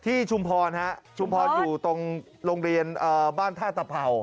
ที่ชุมพรชุมพรอยู่ตรงโรงเรียนบ้านธาตุภาว